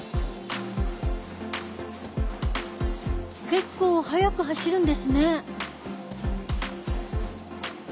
結構速く走るんですね。